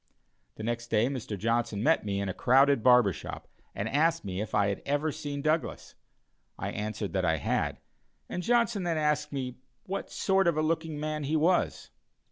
The next day Mr. Johnson met me in a crowded barber shop and asked me if I had ever seen Douglas? I answered that I had, and Johnson then asked what sort of a looking man he was.